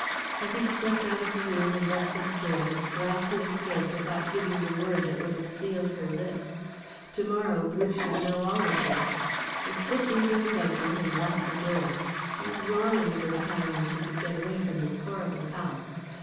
Hetty swept out of the room and up the stairs, glad to escape without giving the word that would have sealed her lips. Tomorrow Bruce should know all of this. She slipped into her bedroom and locked the door. She was longing for the time when she could get away from this horrible house.